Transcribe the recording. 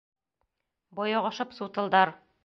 Бойоғошоп сутылдар.